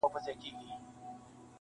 • پر ما ګران نورمحمدلاهو ته-